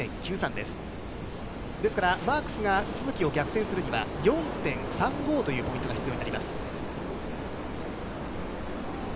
ですからマークスが都筑を逆転するには、４．３５というポイントが必要になります。